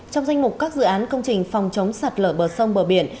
trong danh mục các dự án công trình phòng chống sạt lở bờ sông bờ biển